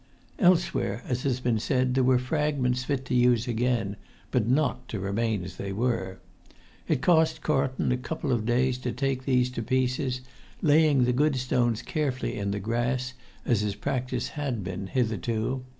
Elsewhere, as has been said, there were fragments fit to use again, but not to remain as they were. It cost Carlton a couple of days to take these to pieces, laying the good stones carefully in the grass, as his[Pg 119] practice had been hitherto.